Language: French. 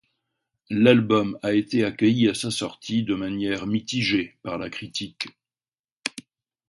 L'album a été accueilli à sa sortie de manière mitigée par la critique.